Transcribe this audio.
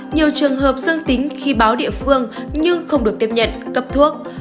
nhiều trường hợp dương tính khi báo địa phương nhưng không được tiếp nhận cấp thuốc